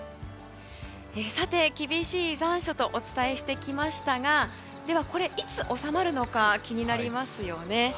さて、厳しい残暑とお伝えしてきましたがでは、いつ収まるのか気になりますよね。